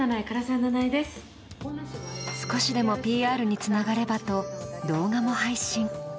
少しでもＰＲにつながればと動画も配信。